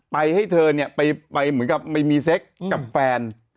ไปให้เธอไปเหมือนกับไม่มีเซ็กกับแฟน